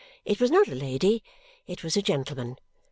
It was not a lady. It was a gentleman.